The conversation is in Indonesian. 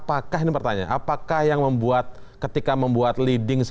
apakah yang membuat ketika membuat leading sejarah apakah yang membuat ketika membuat leading sejarah